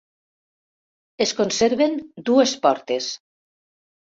Es conserven dues portes.